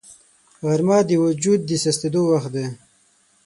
غرمه د وجود سستېدو وخت دی